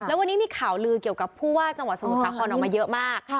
แล้ววันนี้มีข่าวลือเกี่ยวกับผู้ว่าจังหวัดสมุทรสาครออกมาเยอะมาก